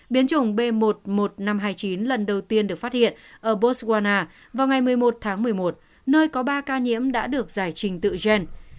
biến chủng b một mươi một nghìn năm trăm hai mươi chín lần đầu tiên được phát hiện ở botswana vào ngày một mươi một tháng một mươi một nơi có ba ca nhiễm đã được giải trình tự gen